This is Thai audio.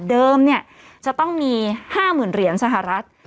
จะต้องมี๕๐๐๐เหรียญสหรัฐ